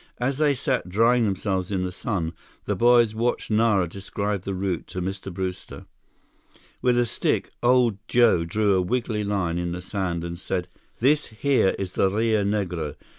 As they sat drying themselves in the sun, the boys watched Nara describe the route to Mr. Brewster. With a stick, old Joe drew a wiggly line in the sand and said: "This here is the Rio Negro.